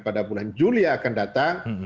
pada bulan juli yang akan datang